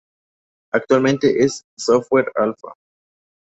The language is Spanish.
Actualmente es software alpha.